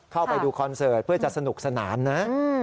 เข้าไปดูคอนเสิร์ตเพื่อจะสนุกสนานนะ